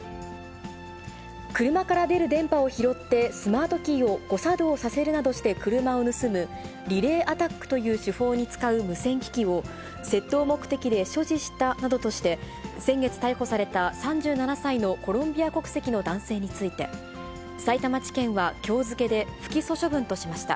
車から出る電波を拾って、スマートキーを誤作動させるなどして車を盗む、リレーアタックという手法に使う無線機器を、窃盗目的で所持したなどとして、先月逮捕された３７歳のコロンビア国籍の男性について、さいたま地検はきょう付けで不起訴処分としました。